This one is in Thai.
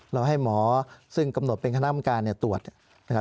เราให้หมอกำนวดเป็นคณะอำนาการตรวจ